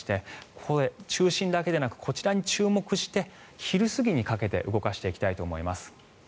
ここで中心だけじゃなくてこちらに注目して昼過ぎにかけて動かしていきたいと思います。